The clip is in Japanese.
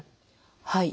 はい。